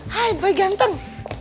hai boy ganteng